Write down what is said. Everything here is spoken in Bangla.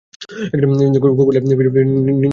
ক্রোকোডাইল ফিশ নিখুঁতভাবে প্রাচীর গাত্রের সঙ্গে মিশে যায়।